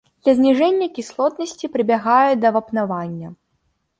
Для зніжэння кіслотнасці прыбягаюць да вапнавання.